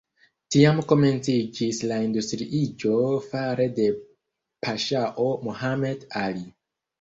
Tiam komenciĝis la industriiĝo fare de paŝao Mohamed Ali.